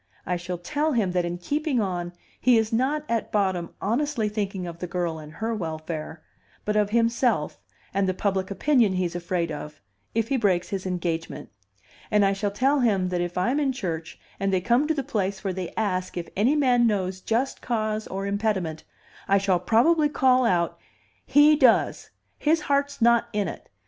"I shall tell him that in keeping on he is not at bottom honestly thinking of the girl and her welfare, but of himself and the public opinion he's afraid of, if he breaks his engagement. And I shall tell him that if I'm in church and they come to the place where they ask if any man knows just cause or impediment, I shall probably call out, 'He does! His heart's not in it.